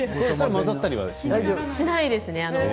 混ざったりはしないですね。